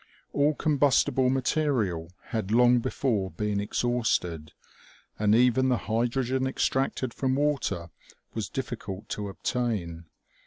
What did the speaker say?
All combustible material had long before been exhausted ; and even the hydrogen extracted from water was difficult to obtain.